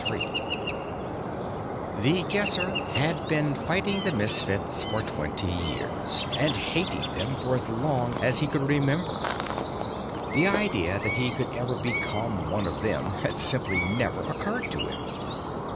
III The Guesser had been fighting the Misfits for twenty years, and hating them for as long as he could remember. The idea that he could ever become one of them had simply never occurred to him.